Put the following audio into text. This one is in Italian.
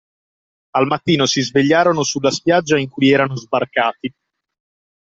Al mattino, si svegliarono sulla spiaggia in cui erano sbarcati